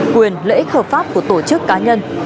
quyền lợi ích hợp pháp của tổ chức cá nhân